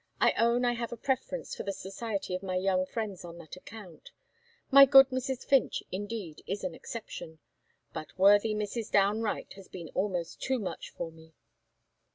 I own I have a preference for the society of my young friends on that account. My good Mrs. Finch, indeed, is an exception; but worthy Mrs. Downe Wright has been almost too much for me."